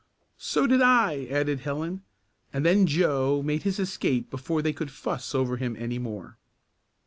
"So did I," added Helen, and then Joe made his escape before they could "fuss" over him any more.